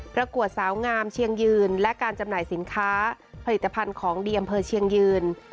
ประกวดสาวงามเชียงยืนและการจำหน่ายสินค้าผลิตภัณฑ์ของดีอำเภอเชียงยืน